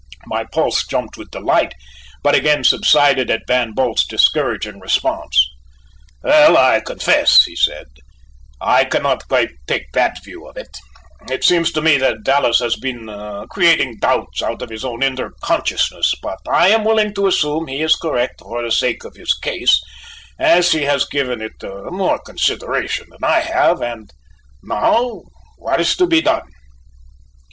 My pulse jumped with delight, but again subsided at Van Bult's discouraging response. "Well, I confess," he said, "I cannot quite take that view of it: it seems to me that Dallas has been creating doubts out of his own inner consciousness, but I am willing to assume he is correct for the sake of his case, as he has given it more consideration than I have: and now what is to be done?"